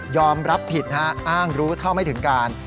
รับผิดอ้างรู้เท่าไม่ถึงการ